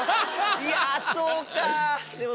いやそうか。